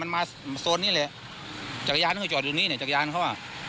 มันมาโซนนี้แหละจักรยานเขาจอดอยู่นี่เนี่ยจักรยานเขาอ่ะ